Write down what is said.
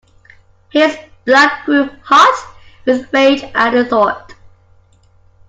His blood grew hot with rage at the thought.